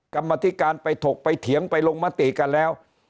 กรรมธิการไปถกไปเถียงไปลงมติกันแล้ว